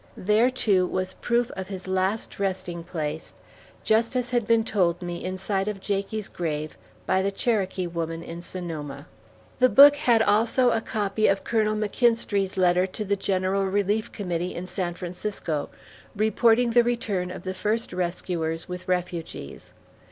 There, too, was proof of his last resting place, just as had been told me in sight of Jakie's grave, by the Cherokee woman in Sonoma. The book had also a copy of Colonel McKinstrey's letter to the General Relief Committee in San Francisco, reporting the return of the first rescuers with refugees.